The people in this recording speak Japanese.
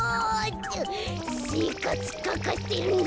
せいかつかかってるんだ。